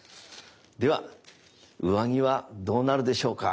では上着はどうなるでしょうか？